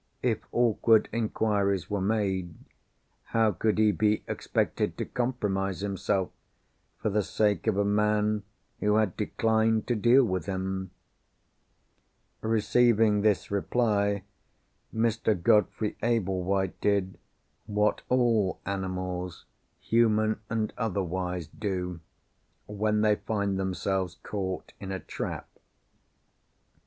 If awkward inquiries were made, how could he be expected to compromise himself, for the sake of a man who had declined to deal with him? Receiving this reply, Mr. Godfrey Ablewhite did, what all animals (human and otherwise) do, when they find themselves caught in a trap.